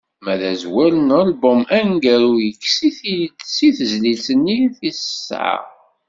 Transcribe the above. Ma azwel n ulbum-a aneggaru, yekkes-it-id seg tezlit-nni tis tesεa.